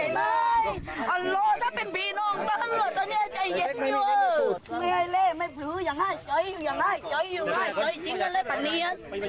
ต้องก็ไม่มีเมล่าเลยปล่อยก็ไม่มีเมล่าเลย